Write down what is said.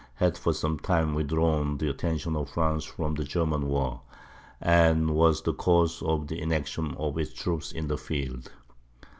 had for some time withdrawn the attention of France from the German war, and was the cause of the inaction of its troops in the field.